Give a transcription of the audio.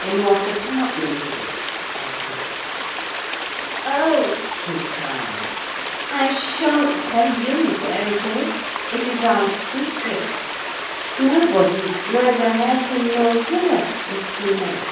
"In what apartment is it?" I asked. "Oh," he cried, "I shan't tell you where it is. It is our secret. Nobody, neither Hareton nor Zillah, is to know.